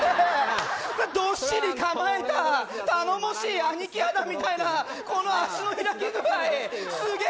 どっしり構えた頼もしい兄貴肌みたいなこの足の開き具合